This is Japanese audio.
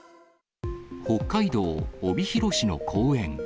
北海道帯広市の公園。